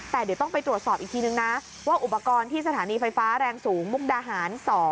แต่เดี๋ยวต้องไปตรวจสอบอีกทีนึงนะว่าอุปกรณ์ที่สถานีไฟฟ้าแรงสูงมุกดาหาร๒